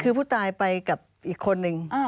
คือผู้ตายไปกับอีกคนนึง